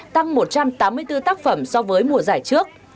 tăng một trăm tám mươi bốn tác phẩm so với mùa giải trước